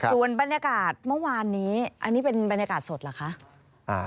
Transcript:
ส่วนบรรยากาศเมื่อวานนี้อันนี้เป็นบรรยากาศสดเหรอคะ